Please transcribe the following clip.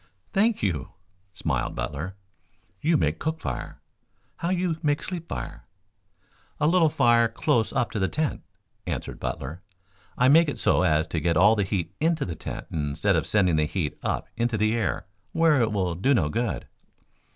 "Thank you," smiled Butler. "You make cook fire. How you make sleep fire?" "A little fire close up to the tent," answered Butler. "I make it so as to get all the heat into the tent instead of sending the heat up into the air where it will do no good."